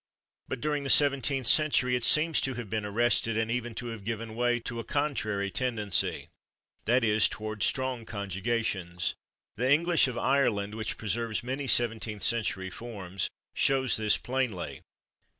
But during the seventeenth century it seems to have been arrested, and even to have given way to a contrary tendency that is, toward strong conjugations. The English of Ireland, which preserves many seventeenth century forms, shows this plainly.